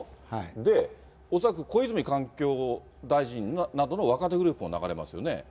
で、恐らく小泉環境大臣などの若手グループも流れますよね。